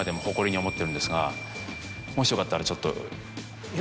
もしよかったらちょっと。